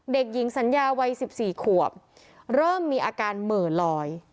เด็กหญิงสัญญาวัย๑๔ขวบเริ่มมีอาการเหม่อลอย